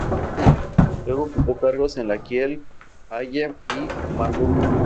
Luego ocupó cargos en la Kiel, Halle y Marburgo.